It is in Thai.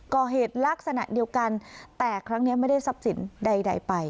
ก่อเหตุลักษณะเดียวกันแต่ครั้งนี้ไม่ได้ทรัพย์สินใดไป